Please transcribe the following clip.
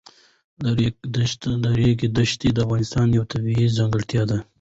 د ریګ دښتې د افغانستان یوه طبیعي ځانګړتیا ده.